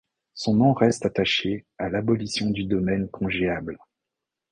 Son nom reste attaché à l'abolition du domaine congéable.